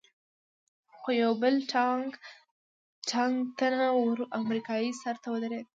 خو یو بل ډنګ، تنه ور امریکایي سر ته ودرېد.